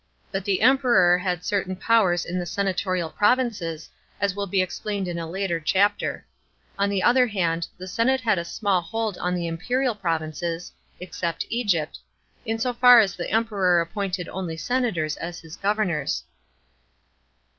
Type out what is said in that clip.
But the Emperor had certain powers in the senatorial provinces, as will be explained in a later chapter. On the other hand, the senate had a small hold on the imperial provinces (except Egypt), in so far as the Emperor appointed only senators as his governors.